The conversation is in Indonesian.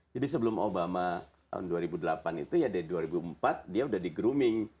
jadi sebelum obama tahun dua ribu delapan itu ya dari dua ribu empat dia sudah di grooming